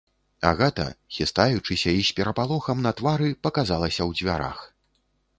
Агата, хістаючыся і з перапалохам на твары, паказалася ў дзвярах.